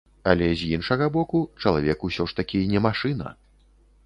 Але з іншага боку, чалавек усё ж такі не машына.